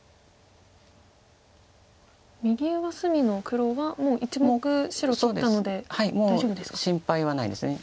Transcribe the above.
右上隅の黒はもう１目白取ったので大丈夫ですか。